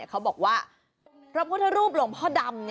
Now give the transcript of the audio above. เขาบอกว่าพระพุทธรูปหลวงพ่อดำ